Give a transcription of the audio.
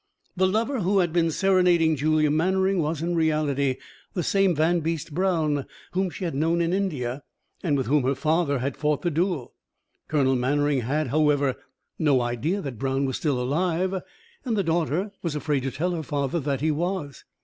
The lover who had been serenading Julia Mannering was in reality, the same Vanbeest Brown whom she had known in India, and with whom her father had fought the duel. Colonel Mannering had, however, no idea that Brown was still alive, and the daughter was afraid to tell her father that he was.